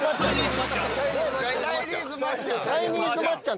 チャイニーズ松ちゃん